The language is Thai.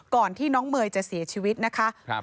ก่อนที่น้องเมย์จะเสียชีวิตนะคะ